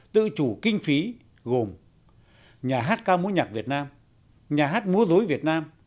tự chủ kinh phí gồm nhà hát cao múa nhạc việt nam nhà hát múa dối việt nam